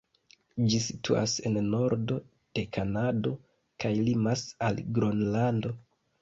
Ĝi situas en nordo de Kanado kaj limas al Gronlando.